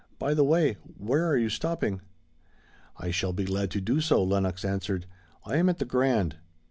"By the way, where are you stopping?" "I shall be glad to do so," Lenox answered; "I am at the Grand."